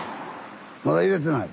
まだ入れてない？